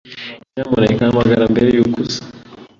Nyamuneka hamagara mbere yuko uza.